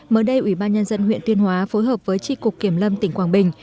mới đây ủy ban nhân dân huyện tuyên hóa phối hợp với tri cục kiểm lâm tỉnh quảng bình